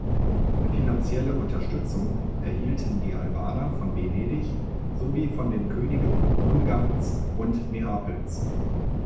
Finanzielle Unterstützung erhielten die Albaner von Venedig sowie von den Königen Ungarns und Neapels.